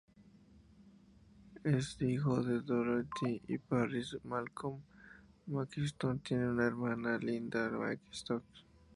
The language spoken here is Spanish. Es hijo de Dorothy Parris y Malcolm Mackintosh, tiene una hermana Lynda Mackintosh.